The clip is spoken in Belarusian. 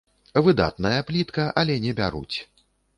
Выдатная плітка, але не бяруць.